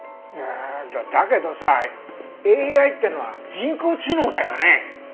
いやだけどさＡＩってのは人工知能だよね？